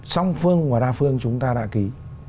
song phương và đa phương chúng ta đã ký